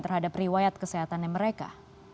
terhadap riwayat kesehatannya mereka